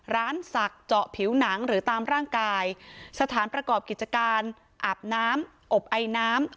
สักเจาะผิวหนังหรือตามร่างกายสถานประกอบกิจการอาบน้ำอบไอน้ำ